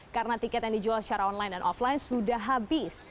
karena tiket yang dijual secara online dan offline sudah habis